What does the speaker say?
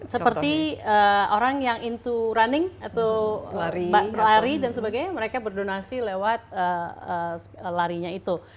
seperti orang yang into running atau pelari dan sebagainya mereka berdonasi lewat larinya itu